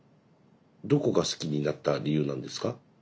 どこが好きになった理由なんですか？